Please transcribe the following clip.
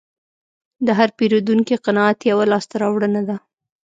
د هر پیرودونکي قناعت یوه لاسته راوړنه ده.